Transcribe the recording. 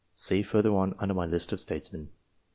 See further on, under my list of STATESMEN.